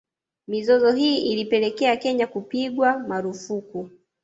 Mizozo hii ilipelekea Kenya kupigwa marufuku